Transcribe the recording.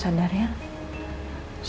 soalnya kasihan juga kan dia